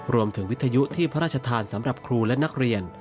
วิทยุที่พระราชทานสำหรับครูและนักเรียน